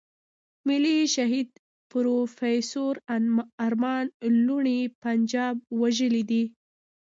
ملي شهيد پروفېسور ارمان لوڼی پنجاب وژلی دی.